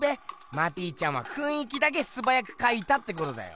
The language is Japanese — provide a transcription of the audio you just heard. マティちゃんは「ふんい気」だけすばやく描いたってことだよ！